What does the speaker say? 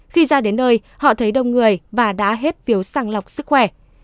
khi ra đến nơi họ thấy đông người và đã hết phiếu sàng lọc sức khỏe